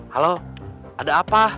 halo ada apa